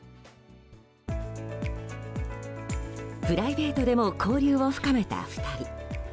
プライベートでも交流を深めた２人。